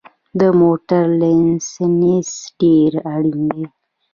د موټر لېسنس ډېر اړین دی